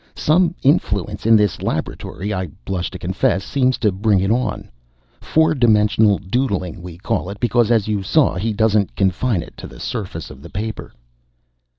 Some influence in this laboratory I blush to confess seems to bring it on. 'Four dimensional doodling' we call it, because, as you saw, he doesn't confine it to the surface of the paper!"